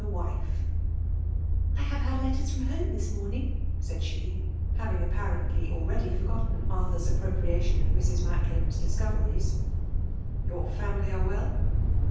a wife 1 ^ I have had (letters irom home lUs nom^ ing/* said she, having appoisatly already ftflr* gotten* Arthur's appropriation of Mrs. Mtfck fiaV discoveries* Your family are well